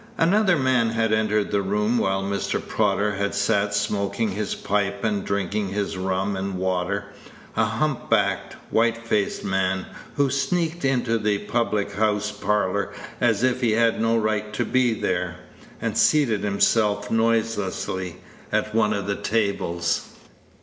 Another man had entered the room while Mr. Prodder had sat smoking his pipe and drinking his rum and water a hump backed, white faced man, who sneaked into the public house parlor as if he had no right to be there, and seated himself noiselessly at one of the tables.